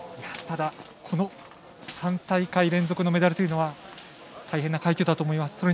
ただ、この３大会連続のメダルというのは大変な快挙だと思います。